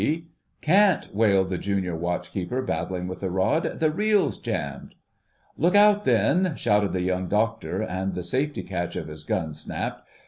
P. "Can't," wailed the Junior Watch keeper, battling with the rod. "The reel's jammed!" "Look out, then!" shouted the Young Doctor, and the safety catch of his gun snapped.